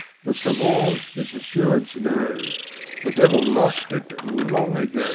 The savans this assurance know: The Devil lost it, long ago